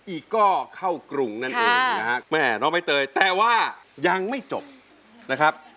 อีกก็เข้ากรุงนั่นเองนะฮะแม่น้องใบเตยแต่ว่ายังไม่จบนะครับ